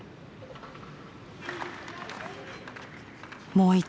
もう一度。